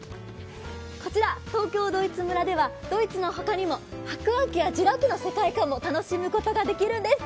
こちら東京ドイツ村には、ドイツのほかにも白亜紀やジュラ紀の世界も楽しむことができるんです。